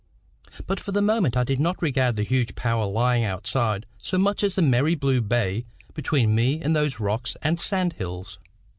But for the moment I did not regard the huge power lying outside so much as the merry blue bay between me and those rocks and sand hills.